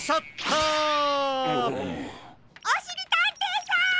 おしりたんていさん！